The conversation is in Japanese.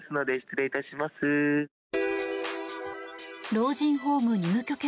老人ホーム入居権